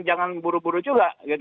jangan buru buru juga